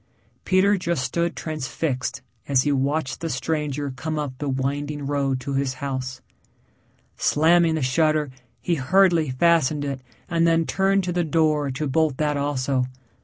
Peter just stood transfixed as he watched the stranger come up the winding road to his house. Slamming the shutter he hurriedly fastened it and then turned to the door to bolt that also.